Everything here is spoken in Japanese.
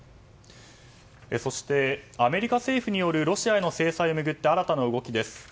そして、アメリカ政府によるロシアへの制裁を巡った新たな動きです。